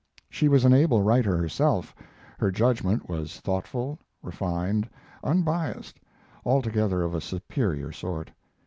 She was an able writer herself; her judgment was thoughtful, refined, unbiased altogether of a superior sort.